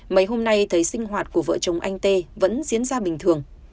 mấy hôm nay thấy sinh hoạt của vợ chồng anh tê vẫn diễn ra bình thường